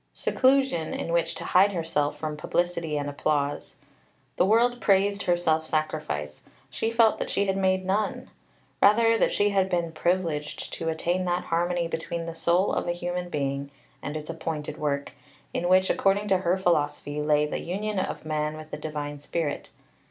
Seclusion, in which to hide herself from publicity and applause. The world praised her self sacrifice. She felt that she had made none. Rather had she been privileged to attain that harmony between the soul of a human being and its appointed work, in which, according to her philosophy, lay the union of man with the Divine Spirit.